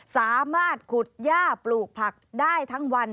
สามารถขุดย่าปลูกผักได้ทั้งวัน